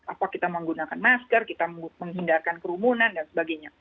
apa kita menggunakan masker kita menghindarkan kerumunan dan sebagainya